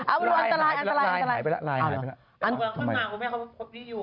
อันตรายอันตรายอันตราย